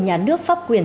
nhà nước pháp quyền